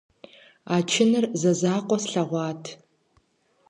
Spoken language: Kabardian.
А чыныр зэзакъуэ слъэгъуат.